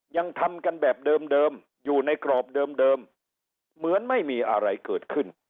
ยังทำกันแบบเดิมอยู่ในกรอบเดิมเหมือนไม่มีอะไรเกิดขึ้น